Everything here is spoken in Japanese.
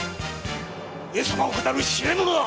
上様を騙る痴れ者だ！